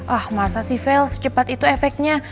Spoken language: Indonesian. ah masa sih fail secepat itu efeknya